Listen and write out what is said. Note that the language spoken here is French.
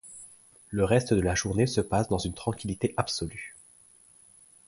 Le reste de la journée se passe dans une tranquillité absolue.